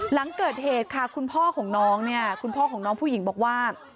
หลังเกิดเหตุค่ะคุณพ่อของน้องเนี่ยคุณพ่อของน้องผู้หญิงบอกว่า